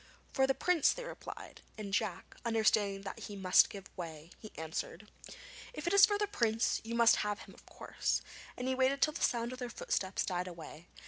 'For the Prince,' they replied; and Jack, understanding that he must give way, answered: 'If it is for the Prince, you must have him of course,' and waited till the sound of their footsteps died away.